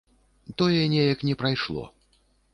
Тое неяк не прайшло.